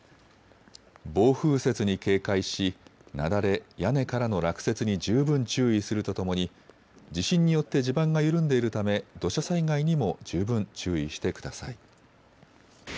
暴風雪に警戒し雪崩、屋根からの落雪に十分注意するとともに地震によって地盤が緩んでいるため土砂災害にも十分注意してください。